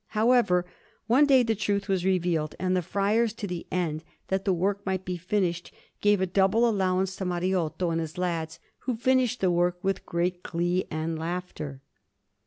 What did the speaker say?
However, one day the truth was revealed, and the friars, to the end that the work might be finished, gave a double allowance to Mariotto and his lads, who finished the work with great glee and laughter.